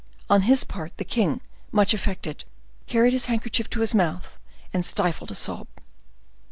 On his part, the king, much affected, carried his handkerchief to his mouth, and stifled a sob.